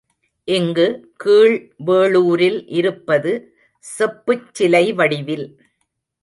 இங்கு கீழ் வேளூரில் இருப்பது செப்புச் சிலைவடிவில்.